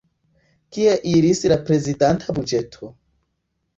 Kie iris la prezidanta buĝeto?